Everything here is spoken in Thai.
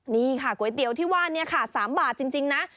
นี่ค่ะก๋วยเตี๋ยวที่ว่านี่ค่ะ๓บาทจริงนะ